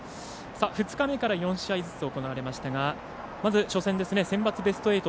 ２日目から４試合ずつ行われましたがセンバツのベスト８